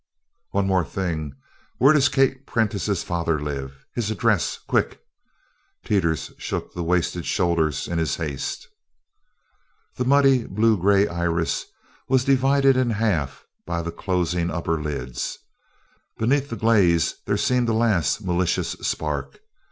"One thing more Where does Kate Prentice's father live? His address quick!" Teeters shook the wasted shoulders in his haste. The muddy blue gray iris was divided in half by the closing upper lids. Beneath the glaze there seemed a last malicious spark.